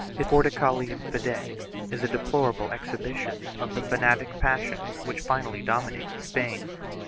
5 His Fortalicium Fidei is a deplorable exhibition of the fanatic passions which finally dominated Spain.